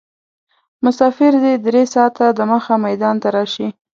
مسافر دې درې ساعته دمخه میدان ته راشي.